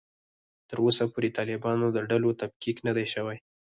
تر اوسه پورې د طالبانو د ډلو تفکیک نه دی شوی